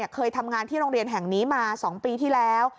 เคยทำงานที่โรงเรียนแห่งนี้มา๒ปีที่แล้ว